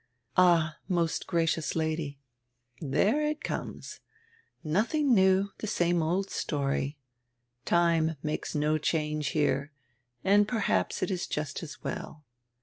"All, most gracious Lady —" "There it conies. Nodiing new, the same old story. Time makes no change here, and perhaps it is just as well.